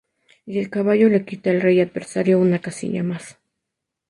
Y el caballo le quita al rey adversario una casilla más.